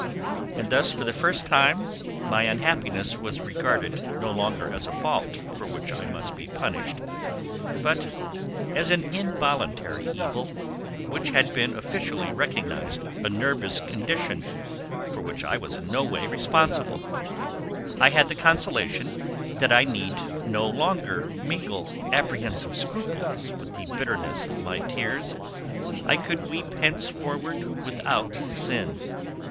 And thus for the first time my unhappiness was regarded no longer as a fault for which I must be punished, but as an involuntary evil which had been officially recognised a nervous condition for which I was in no way responsible: I had the consolation that I need no longer mingle apprehensive scruples with the bitterness of my tears; I could weep henceforward without sin.